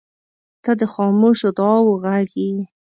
• ته د خاموشو دعاوو غږ یې.